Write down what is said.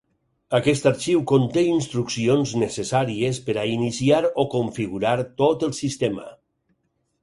Aquest arxiu conté instruccions necessàries per a iniciar o configurar tot el sistema.